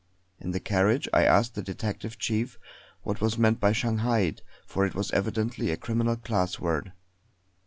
In the carriage I asked the detective chief what was meant by 'Shanghaied' for it was evidently a criminal class word.